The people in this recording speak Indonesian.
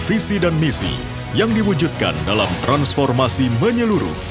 visi dan misi yang diwujudkan dalam transformasi menyeluruh